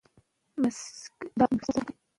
هغې وویل خور یې ډېر وخت په ساړه اوبو کې پاتې کېږي.